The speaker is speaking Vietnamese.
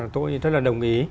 tôi rất là đồng ý